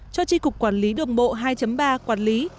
cho tri cục quản lý đường bộ hai ba quản lý